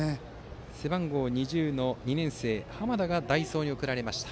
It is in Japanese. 背番号２０２年生の濱田が代走に送られました。